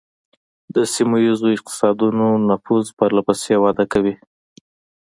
د سیمه ایزو اقتصادونو نفوذ پرله پسې وده کوي